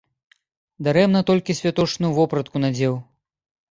Дарэмна толькі святочную вопратку надзеў.